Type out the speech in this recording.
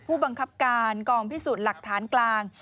ผู้บังคับการกองพิสูจน์หลักฐานกลาง